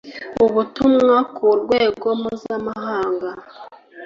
ubutumwa ku rwego mpuzamahanga